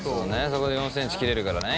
そこで４ｃｍ切れるからね。